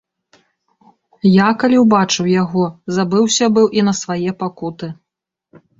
Я, калі ўбачыў яго, забыўся быў і на свае пакуты.